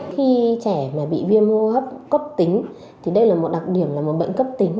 khi trẻ mà bị viêm hô hấp cấp tính thì đây là một đặc điểm là một bệnh cấp tính